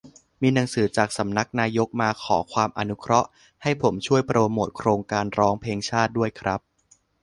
มีหนังสือจากสำนักนายกมา "ขอความอนุเคราะห์" ให้ผมช่วยโปรโมตโครงการร้องเพลงชาติด้วยครับ -"